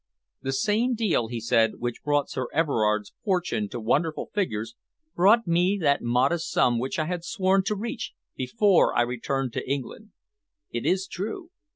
"The same deal," he said, "which brought Sir Everard's fortune to wonderful figures brought me that modest sum which I had sworn to reach before I returned to England. It is true.